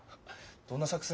どんな作戦？